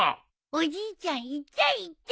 おじいちゃん言っちゃえ言っちゃえ。